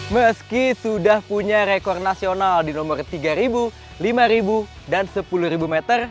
meski sudah punya rekor nasional di nomor tiga lima dan sepuluh meter